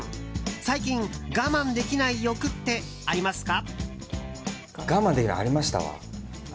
最近、我慢できない欲ってありますか？